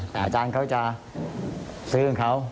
แต่อาจารย์เขาจะซื้อของเขา